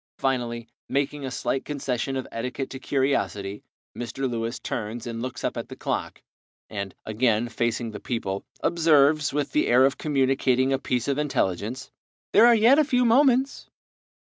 Finally, making a slight concession of etiquette to curiosity, Mr. Lewis turns and looks up at the clock, and, again facing the people, observes, with the air of communicating a piece of intelligence, "There are yet a few moments."